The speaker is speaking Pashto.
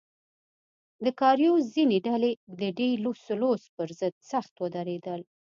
د کارایوس ځینې ډلې د ډي سلوس پر ضد سخت ودرېدل.